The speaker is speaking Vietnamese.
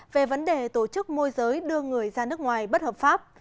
về vấn đề tổ chức môi giới đưa người ra nước ngoài bất hợp pháp